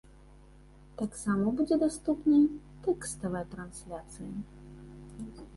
Таксама будзе даступная тэкставая трансляцыя.